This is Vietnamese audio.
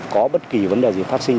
có bất kỳ vấn đề gì phát sinh